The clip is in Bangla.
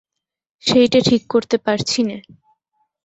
সেইটে ঠিক করতে পারছি নে।